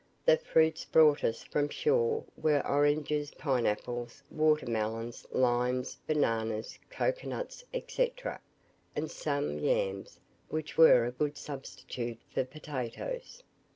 The fruits brought us from shore were oranges, pine apples, water melons, limes, bananas, cocoa nuts, &c., and some yams, which were a good substitute for potatoes.